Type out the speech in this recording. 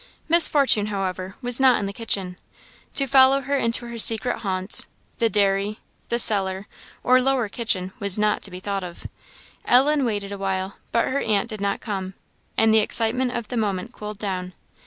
Miss Fortune, however, was not in the kitchen; to follow her into her secret haunts, the dairy, cellar, or lower kitchen, was not to be thought of. Ellen waited a while, but her aunt did not come, and the excitement of the moment cooled down.